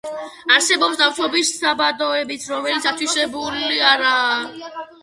არსებობს ნავთობის საბადოებიც, რომელიც ათვისებული არაა.